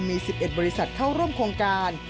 มี๑๑บริษัทเข้าร่วมโครงการ